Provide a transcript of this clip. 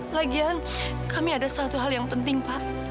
lagian kami ada satu hal yang penting pak